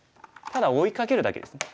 ただ追いかけるだけですね。